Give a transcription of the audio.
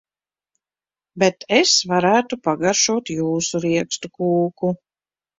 Bet es varētu pagaršotjūsu riekstu kūku.